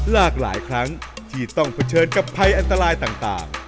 หลากหลายครั้งที่ต้องเผชิญกับภัยอันตรายต่าง